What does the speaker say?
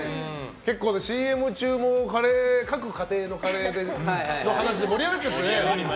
結構、ＣＭ中も各家庭のカレーの話で盛り上がっちゃってね。